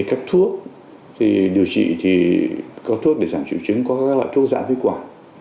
các thuốc điều trị thì có thuốc để giảm chịu chứng có các loại thuốc giảm viết quả